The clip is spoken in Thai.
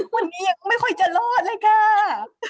วันนี้ยังไม่ค่อยจะรอดเลยค่ะ